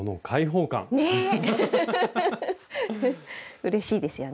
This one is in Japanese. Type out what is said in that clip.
うれしいですよね。